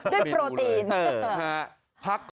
ค่ะด้วยโปรตีนเออค่ะพักก่อน